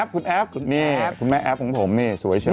คุณแอฟนี่คุณแม่แอฟของผมนี่สวยเฉย